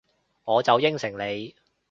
我就應承你